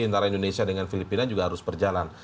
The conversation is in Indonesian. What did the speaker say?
antara indonesia dengan filipina juga harus berjalan